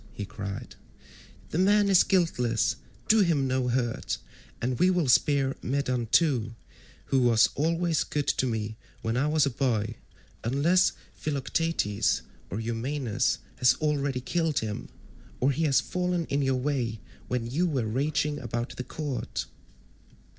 he cried, "the man is guiltless, do him no hurt; and we will spare Medon too, who was always good to me when I was a boy, unless Philoetius or Eumaeus has already killed him, or he has fallen in your way when you were raging about the court."